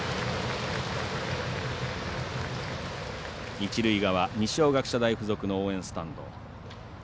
一塁側、二松学舎大付属の応援スタンド。